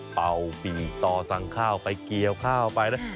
เป่าปีกต่อสั่งข้าวไปเกี่ยวข้าวไปนะ